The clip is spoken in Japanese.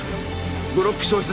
ブロック消失